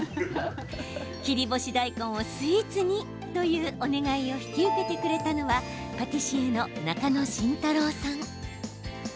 切り干し大根をスイーツにというお願いを引き受けてくれたのはパティシエの中野慎太郎さん。